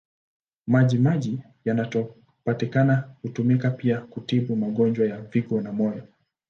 Maji maji yanayopatikana hutumika pia kutibu magonjwa ya figo na moyo.